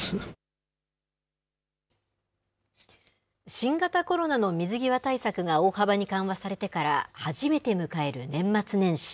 新型コロナの水際対策が大幅に緩和されてから初めて迎える年末年始。